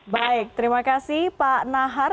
baik terima kasih pak nahar